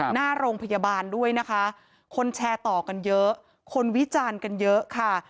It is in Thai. หน้าโรงพยาบาลด้วยนะคะคนแชร์ต่อกันเยอะคนวิจารณ์กันเยอะค่ะ